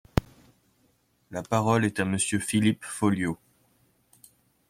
La parole est à Monsieur Philippe Folliot.